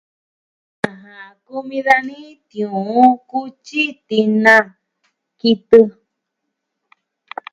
Aja, kumi dani tiuun, kutyi, tina, kitɨ.